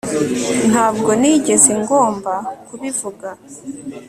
Ntabwo nigeze ngomba kubivuga